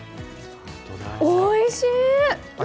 おいしい！